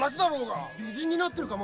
美人になってるかも！